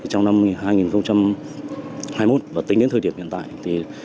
trong năm hai nghìn hai mươi một và tính đến thời điểm hiện tại